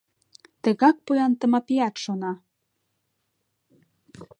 Тыгак поян Тымапиат шона.